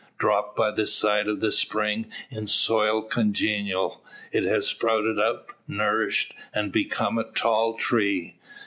Dropped by the side of the spring in soil congenial, it has sprouted up, nourished, and become a tall tree.